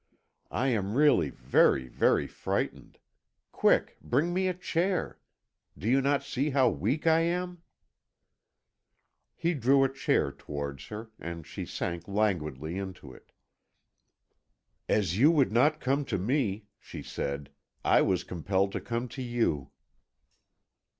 I am really very, very frightened. Quick; bring me a chair. Do you not see how weak I am?" He drew a chair towards Her, and she sank languidly into it. "As you would not come to me," she said, "I was compelled to come to you."